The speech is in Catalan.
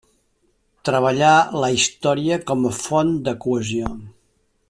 Treballà la història com a font de cohesió.